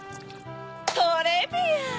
トレビアン！